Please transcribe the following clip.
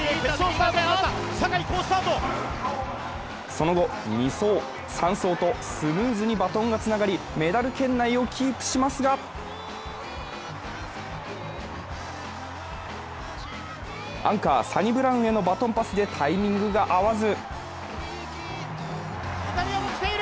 その後、２走・３走とスムーズにバトンがつながりメダル圏内をキープしますがアンカー、サニブラウンへのバトンパスでタイミングが合わず。